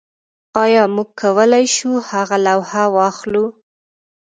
ایا موږ کولی شو هغه لوحه واخلو